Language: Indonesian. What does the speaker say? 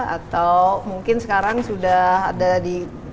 atau mungkin sekarang sudah ada di